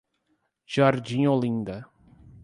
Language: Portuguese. Jardim Olinda